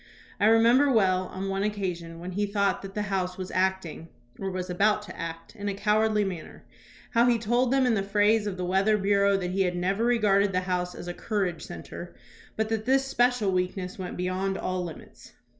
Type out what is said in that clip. I remember well, on one occasion when he thought that the House was acting or was about to act in a cowardly manner, how he told them in the phrase of the weather bureau that he had never regarded the House as a "courage centre," but that this special weakness went beyond all limits.